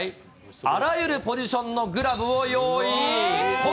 あらゆるポジションのグラブを用意。